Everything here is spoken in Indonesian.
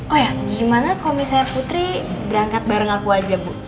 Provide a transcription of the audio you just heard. oh ya gimana kalau misalnya putri berangkat bareng aku aja bu